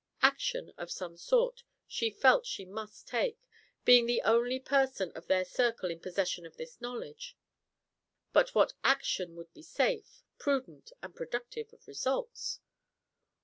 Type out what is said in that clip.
Action, of some sort, she felt she must take, being the only person of their circle in possession of this knowledge; but what action would be safe, prudent and productive of results?